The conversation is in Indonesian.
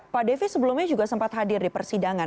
pak devi sebelumnya juga sempat hadir di persidangan